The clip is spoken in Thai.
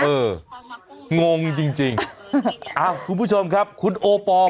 เอองงจริงจริงอ้าวคุณผู้ชมครับคุณโอปอล